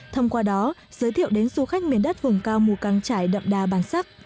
thông qua đó giới thiệu đến du khách miền đất vùng cao mù căng trải đậm đà bản sắc